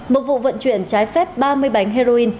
một vụ vận chuyển trái phép ba mươi bánh heroin